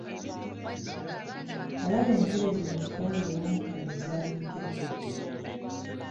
Walaba entebe ze natwala ewa mukadde zaali mpya ttuku.